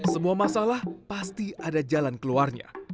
semua masalah pasti ada jalan keluarnya